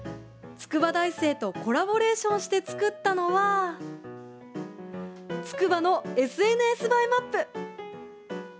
筑波大生とコラボレーションして作ったのはつくばのＳＮＳ映えマップ。